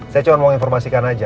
saya cuma mau informasikan aja